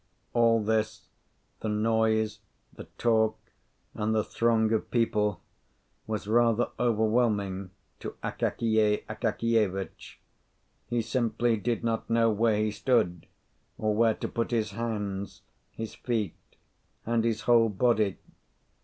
All this, the noise, the talk, and the throng of people was rather overwhelming to Akakiy Akakievitch. He simply did not know where he stood, or where to put his hands, his feet, and his whole body.